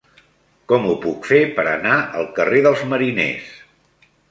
Com ho puc fer per anar al carrer dels Mariners?